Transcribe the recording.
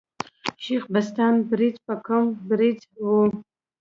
شېخ بستان برېڅ په قوم بړېڅ ؤ.